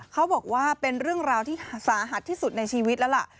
เขาบอกว่าเป็นเรื่องราวที่สาหัสที่สุดในชีวิตแล้วล่ะ